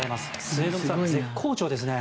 末延さん、絶好調ですね。